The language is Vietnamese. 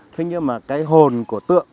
thế nhưng mà cái hồn của tượng